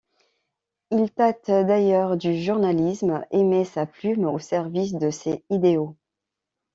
Il tâte d'ailleurs du journalisme et met sa plume au service de ses idéaux.